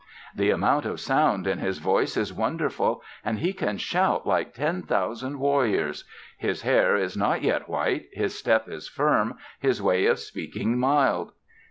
The amount of sound in his voice is wonderful and he can shout like ten thousand warriors. His hair is not yet white, his step is firm, his way of speaking mild...."